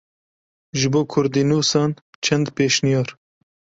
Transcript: Ji bo kurdînûsan çend pêşniyar.